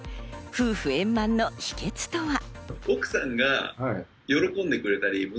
夫婦円満の秘訣とは？